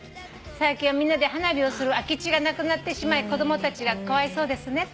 「最近はみんなで花火をする空き地がなくなってしまい子供たちがかわいそうですね」